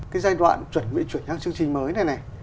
cái giai đoạn chuẩn bị chuyển sang chương trình mới này này